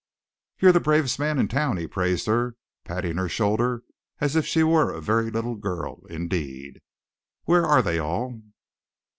"You're the bravest man in town!" he praised her, patting her shoulder as if she were a very little girl, indeed. "Where are they all?"